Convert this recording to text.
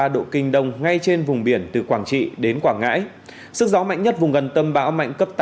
một trăm linh chín ba độ kinh đông ngay trên vùng biển từ quảng trị đến quảng ngãi sức gió mạnh nhất vùng gần tâm bão mạnh cấp tám